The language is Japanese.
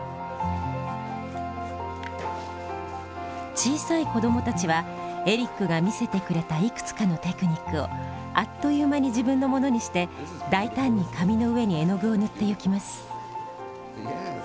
小さい子どもたちはエリックが見せてくれたいくつかのテクニックをあっという間に自分のものにして大胆に紙の上に絵の具を塗っていきます。